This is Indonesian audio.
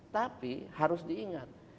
tapi harus diingat